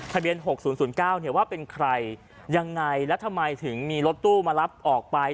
ทะเบียน๖๐๐๙เนี่ยว่าเป็นใครยังไงและทำไมถึงมีรถตู้มารับออกไป